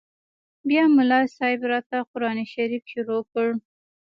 بيا ملا صاحب راته قران شريف شروع کړ.